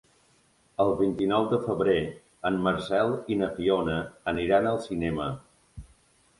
El vint-i-nou de febrer en Marcel i na Fiona aniran al cinema.